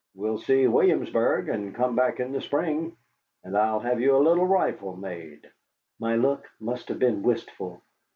We'll see Williamsburg, and come back in the spring, and I'll have you a little rifle made." My look must have been wistful.